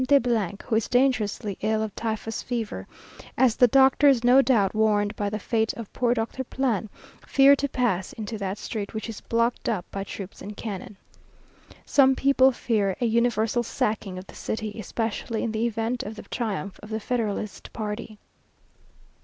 de , who is dangerously ill of typhus fever, as the doctors, no doubt warned by the fate of poor Dr. Plan, fear to pass into that street which is blocked up by troops and cannon. Some people fear a universal sacking of the city, especially in the event of the triumph of the federalist party.